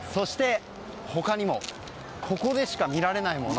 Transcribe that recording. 他にもここでしか見られないもの。